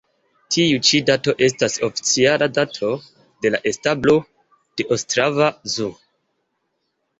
Tiu ĉi dato estas oficiala dato de la establo de ostrava zoo.